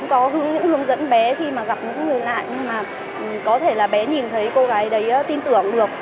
nhưng mà có thể là bé nhìn thấy cô gái đấy tin tưởng được